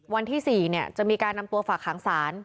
วันที่๔จะมีการนำตัวฝากหางศาล